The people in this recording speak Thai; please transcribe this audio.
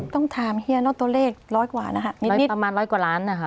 ต้องถามเฮียเนอะตัวเลขร้อยกว่านะคะนิดประมาณร้อยกว่าล้านนะคะ